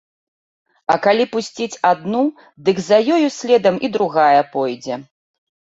А калі пусціць адну, дык за ёю следам і другая пойдзе.